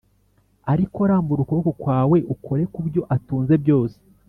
Ariko rambura ukuboko kwawe ukore ku byo atunze byose